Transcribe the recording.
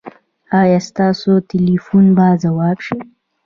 ایا ستاسو ټیلیفون به ځواب شي؟